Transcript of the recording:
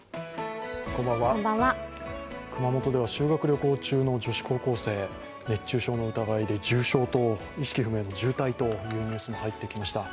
熊本では修学旅行中の女子高校生、熱中症の疑いで意識不明の重体というニュースが入ってきました。